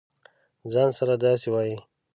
ځـان سره داسې وایې.